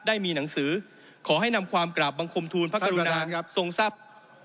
ได้มีหนังสือขอให้นำความกราบบังคมทูลพระกรุณาทรงทรัพย์